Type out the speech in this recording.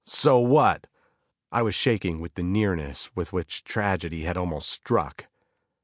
"So what!" I was shaking with the nearness with which tragedy had almost struck.